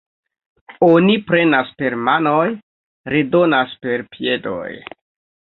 Oni prenas per manoj, redonas per piedoj.